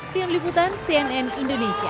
tim liputan cnn indonesia